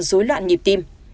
dối loạn nhịp tim